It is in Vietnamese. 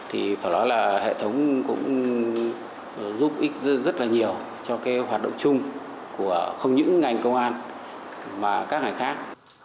hệ thống cũng giúp ích rất nhiều cho hoạt động chung của không những ngành công an mà các ngành khác